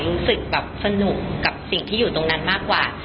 รู้สึกแบบสนุกกับสิ่งที่อยู่ตรงนั้นมากกว่า